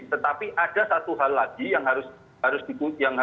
tetapi ada satu hal lagi yang harus dipuji